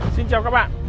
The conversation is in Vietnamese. xin chào các bạn